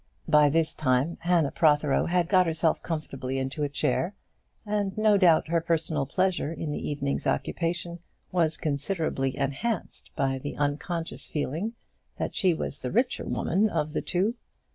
By this time Hannah Protheroe had got herself comfortably into a chair, and no doubt her personal pleasure in the evening's occupation was considerably enhanced by the unconscious feeling that she was the richer woman of the two.